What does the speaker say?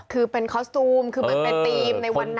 คือเป็นคอสตูมคือเหมือนเป็นธีมในวันนั้น